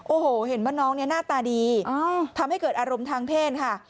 โอ้โหเห็นว่าน้องเนี่ยหน้าตาดีทำให้เกิดอารมณ์ทางเพศค่ะ